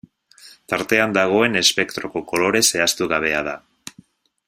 Tartean dagoen espektroko kolore zehaztu gabea da.